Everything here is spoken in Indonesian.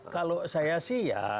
kalau saya sih ya